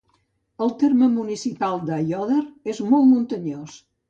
El terme municipal d'Aiòder és molt muntanyós.